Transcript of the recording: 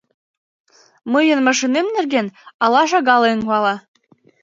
— Мыйын машинем нерген але шагал еҥ пала.